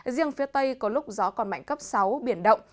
riêng phía tây có lúc gió còn mạnh cấp sáu biển động